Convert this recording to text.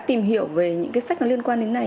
tìm hiểu về những cái sách liên quan đến này